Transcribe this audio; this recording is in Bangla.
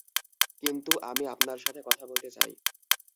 কিন্তু আমি আপনার সাথে কথা বলতে চাই।